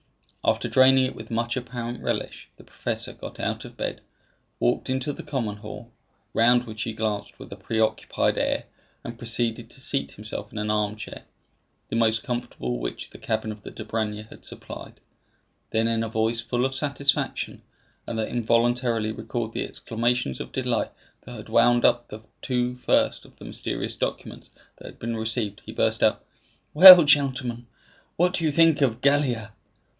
After draining it with much apparent relish, the professor got out of bed, walked into the common hall, round which he glanced with a pre occupied air, and proceeded to seat himself in an armchair, the most comfortable which the cabin of the Dobryna had supplied. Then, in a voice full of satisfaction, and that involuntarily recalled the exclamations of delight that had wound up the two first of the mysterious documents that had been received, he burst out, "Well, gentlemen, what do you think of Gallia?"